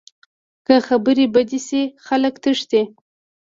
که خبرې بدې شي، خلک تښتي